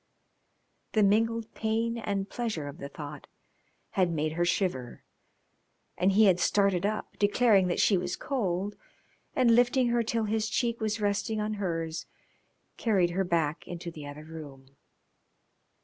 The mingled pain and pleasure of the thought had made her shiver, and he had started up, declaring that she was cold, and, lifting her till his cheek was resting on hers, carried her back into the other room.